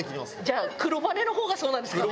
じゃあ黒羽の方がそうなんですかね？